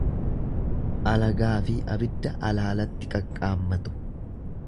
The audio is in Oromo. Alagaafi abidda alaalatti qaqqaammatu.